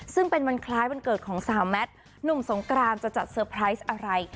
ซึ่งเป็นวันคล้ายวันเกิดของสาวแมทหนุ่มสงกรานจะจัดเตอร์ไพรส์อะไร